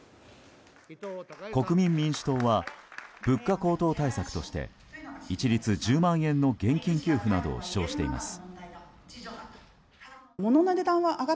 国民民主党は物価高騰対策として一律１０万円の現金給付などを主張しています。